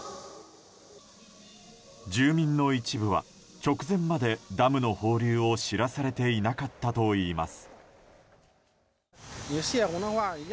住民の一部は直前までダムの放流を知らされていなかったといいます。